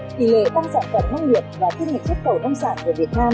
kỷ lệ tăng sản phẩm nông nghiệp và thiết nghệ chất cầu nông sản của việt nam